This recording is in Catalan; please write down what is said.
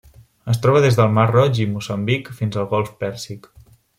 Es troba des del Mar Roig i Moçambic fins al Golf Pèrsic.